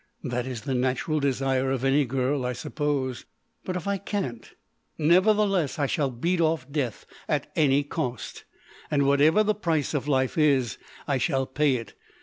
"That is the natural desire of any girl, I suppose. But if I can't, nevertheless I shall beat off death at any cost. And whatever the price of life is, I shall pay it.